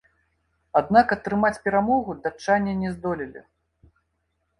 Аднак атрымаць перамогу датчане не здолелі.